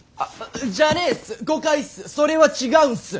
じゃねえっす誤解っすそれは違うっす！